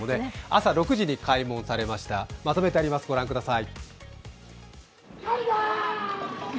朝６時に開門されました、まとめてあります、ご覧ください。